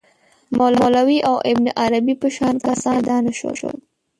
مولوی او ابن عربي په شان کسان پیدا نه شول.